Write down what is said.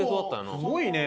すごいね。